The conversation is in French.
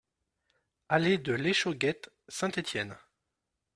Allée de l'Échauguette, Saint-Étienne